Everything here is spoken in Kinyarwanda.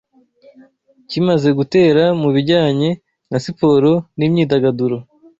kimaze gutera mu bijyanye na siporo n’imyidagaduro